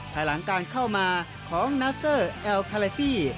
ภายหลังการเข้ามาของนาเซอร์แอลคาเลฟี่